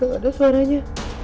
hah tuh ada suaranya